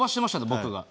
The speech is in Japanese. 僕が。